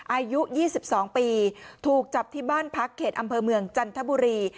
อายุ๒๒ปีถูกจับที่บ้านพักเขตอำเภอเมืองจันทบุรี